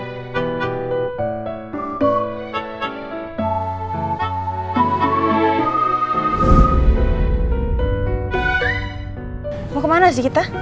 mau kemana sih kita